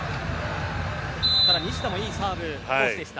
ただ、西田もいいサーブトスでした。